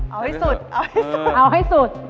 เอาให้สุด